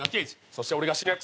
そして俺が死ぬ役。